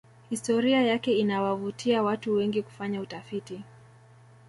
historia yake inawavutia watu wengi kufanya utafiti